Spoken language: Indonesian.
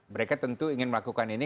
mereka tentu ingin melakukan ini